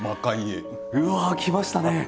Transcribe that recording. うわあきましたね。